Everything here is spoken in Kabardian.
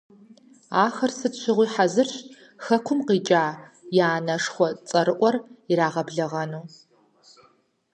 Ахэр сыт щыгъуи хьэзырщ хэкум къикӏа я анэшхуэ цӀэрыӀуэр ирагъэблэгъэну.